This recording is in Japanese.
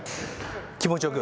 気持ち良く。